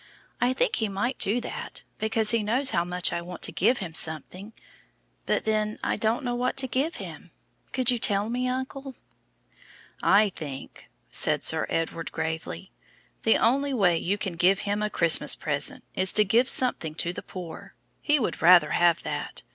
I think He might do that, because He knows how much I want to give Him something. But then I don't know what to give Him. Could you tell me, uncle?" "I think," said Sir Edward, gravely, "the only way you can give Him a Christmas present is to give something to the poor. He would rather have that.